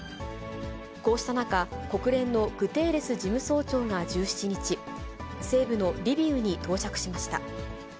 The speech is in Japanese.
こうした中、国連のグテーレス事務総長が１７日、西部のリビウに到着しました。